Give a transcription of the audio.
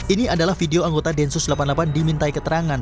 ini adalah video anggota densus delapan puluh delapan dimintai keterangan